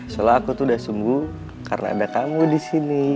soalnya aku tuh udah sembuh karena ada kamu disini